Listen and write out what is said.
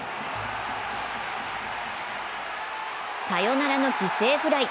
サヨナラの犠牲フライ。